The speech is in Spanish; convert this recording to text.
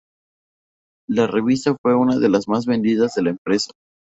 La revista fue una de las más vendidas de la empresa.